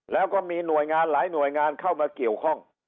แล้วก็มีหน่วยงานหลายหน่วยงานเข้ามาเกี่ยวข้อง